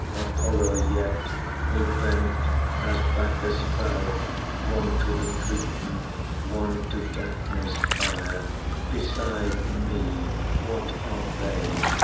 Apollo, yet, who bent, as Bacchus fell, One to the Cretan, one to Daphne's fire, Beside me, what are they?